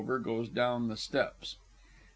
goes down the steps).